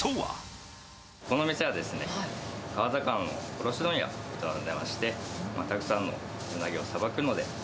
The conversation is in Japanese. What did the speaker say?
この店は、川魚の卸問屋がございまして、たくさんのウナギをさばくので。